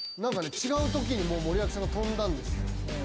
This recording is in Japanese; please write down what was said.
違うときに森脇さんが跳んだんです。